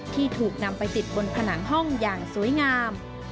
ที่ถูกนำไปติดบนผนังห้องอย่างสวยงาม